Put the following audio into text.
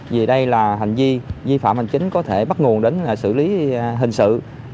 vì đây là hành di di phạm hành chính có thể bắt nguồn đến xử lý hình sự